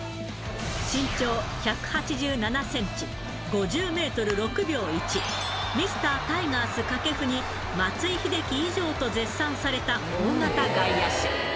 身長１８７センチ、５０メートル６秒１、ミスター・タイガース、掛布に松井秀喜以上と絶賛された大型外野手。